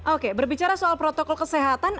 oke berbicara soal protokol kesehatan